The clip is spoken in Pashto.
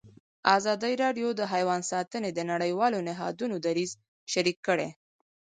ازادي راډیو د حیوان ساتنه د نړیوالو نهادونو دریځ شریک کړی.